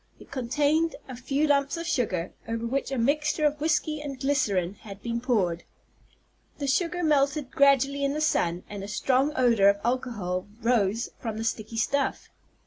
It contained a few lumps of sugar, over which a mixture of whiskey and glycerine had been poured. The sugar melted gradually in the sun, and a strong odor of alcohol rose from the sticky stuff.